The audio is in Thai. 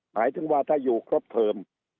หมายถึงว่าถ้าอยู่ครบเทอม